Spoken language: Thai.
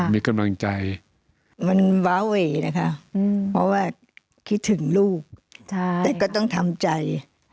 มีกำลังใจมันวาเวกว่าคิดถึงลูกแต่ก็ต้องทำใจ